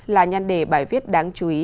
là nhân đề bài viết đáng chú ý